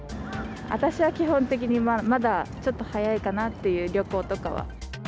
私は基本的に、まだちょっと早いかなっていう、旅行とかは。